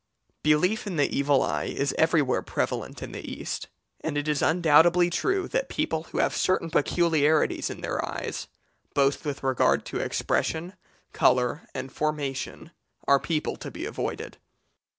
'" Belief in the evil eye is everywhere prevalent in the East, and it is undoubtedly true that people who have certain peculiarities in their eyes, both with regard to expression, colour, and formation, are people to be avoided.